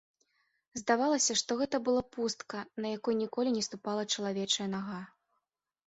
Здавалася, што гэта была пустка, на якой ніколі не ступала чалавечая нага.